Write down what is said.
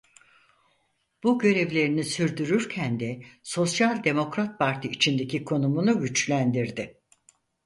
Bu görevlerini sürdürürken de Sosyal Demokrat Parti içindeki konumunu güçlendirdi.